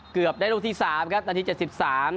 เกือบได้ลูกที่สามครับนาทีเจ็ดสิบสาม